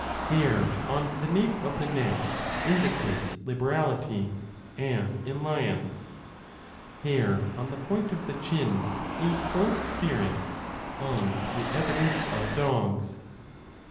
Hair on the nape of the neck indicates liberality, as in lions : hair on the point of the chin, 2 a bold spirit, on the evidence 35 of dogs.